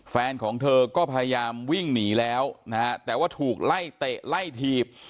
แฟนของเธอก็พยายามวิ่งหนีแล้วนะฮะแต่ว่าถูกไล่เตะไล่ถีบ